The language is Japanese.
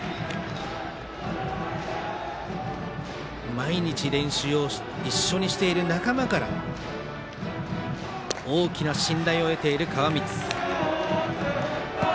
毎日練習を一緒にしている仲間から大きな信頼を得ている川満。